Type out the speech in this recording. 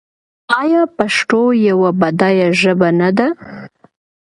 آیا پښتو یوه بډایه ژبه نه ده؟